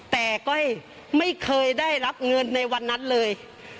แต่ก้อยไม่เคยได้รับเงินในวันนั้นเลย